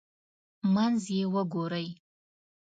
منځ یې وګورئ.